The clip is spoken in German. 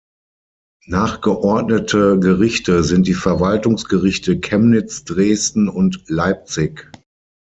Nachgeordnete Gerichte sind die Verwaltungsgerichte Chemnitz, Dresden und Leipzig.